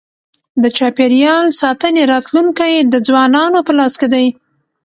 د چاپېریال ساتنې راتلونکی د ځوانانو په لاس کي دی.